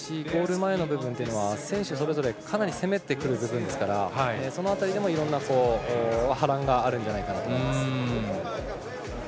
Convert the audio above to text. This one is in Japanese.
ゴール前の部分は選手、それぞれかなり攻めてくる部分ですからその辺りでも、いろんな波乱があるんじゃないかと思います。